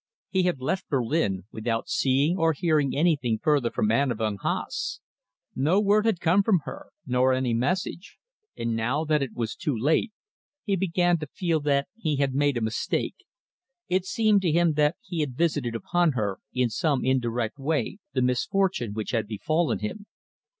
He had left Berlin without seeing or hearing anything further from Anna von Haase. No word had come from her, nor any message. And now that it was too late, he began to feel that he had made a mistake. It seemed to him that he had visited upon her, in some indirect way, the misfortune which had befallen him.